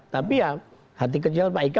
tapi ya hati kecil pak eka